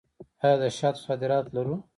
آیا د شاتو صادرات لرو؟